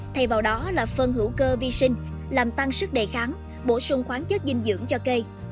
thay vào đó là phân hữu cơ vi sinh làm tăng sức đề kháng bổ sung khoáng chất dinh dưỡng cho cây